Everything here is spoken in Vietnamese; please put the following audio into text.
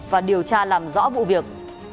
và điều tra làm rõ vụ việc